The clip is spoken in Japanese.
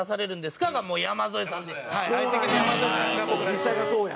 実際がそうや。